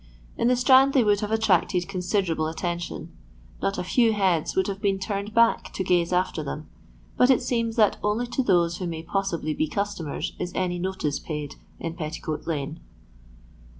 In the Strand they would have attracted considerable attention ; not a few heads would have been turned back to gaze after them ; but it seems that only to those who may possibly be customers is any notice paid in Petticoat lane.